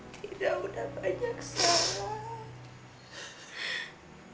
dina udah banyak salah